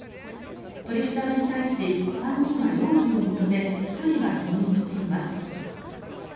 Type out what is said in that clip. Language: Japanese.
取り調べに対し３人は容疑を認め１人が否認しています。